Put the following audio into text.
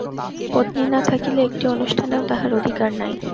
পত্নী না থাকিলে একটি অনুষ্ঠানেও তাহার অধিকার নাই।